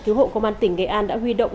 cứu hộ công an tỉnh nghệ an đã huy động